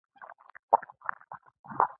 ځکه یې د پاچهۍ هوا ور ولاړه شوه.